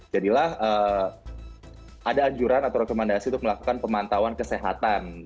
jadilah ada anjuran atau rekomendasi untuk melakukan pemantauan kesehatan